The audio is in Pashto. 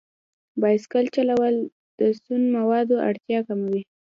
بایسکل چلول د سون موادو اړتیا کموي.